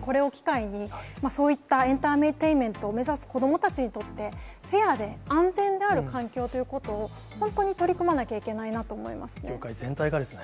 これを機会に、そういったエンターテインメントを目指す子どもたちにとって、フェアで安全である環境ということを本当に取り組まなきゃいけな業界全体がですね。